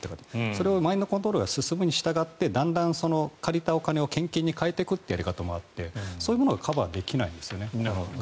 それをマインドコントロールが進むにしたがってだんだん借りたお金を献金に変えていくというのもあってそういうものはカバーできないですよね。